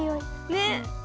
ねっ。